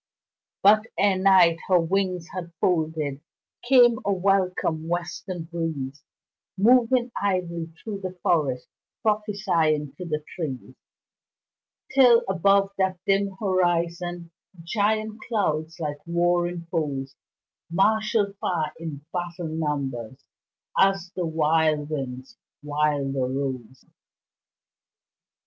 But e'er Night her wings had folded Came a welcome western breeze, Moving idly through the forest, Prophesying to the trees, Till above that dim horizon Giant clouds like warring foes Marshalled far in battle numbers As the wild winds wilder rose.